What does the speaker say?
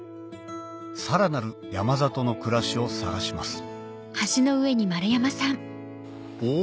さらなる山里の暮らしを探しますお！